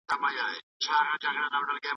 بیکاري په کمزوري اقتصاد کي نه کمیږي.